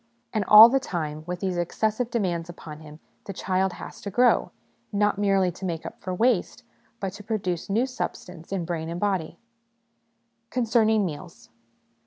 And all the time, with these excessive demands upon him, the child has to grow ! not merely to make up for waste, but to produce new substance in brain and body. Concerning Meals.